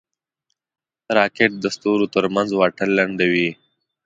راکټ د ستورو ترمنځ واټن لنډوي